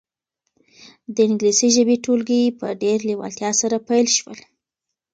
د انګلیسي ژبې ټولګي په ډېرې لېوالتیا سره پیل شول.